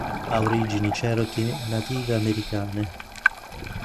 Ha origini cherokee native americane.